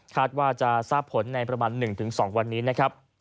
คาดว่าจะทราบผลในประมาณ๑๒วันนี้